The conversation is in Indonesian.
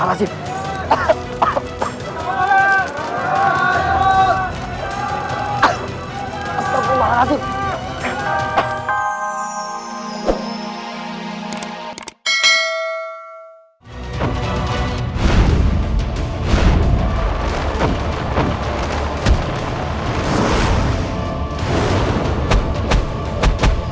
assalamualaikum warahmatullahi wabarakatuh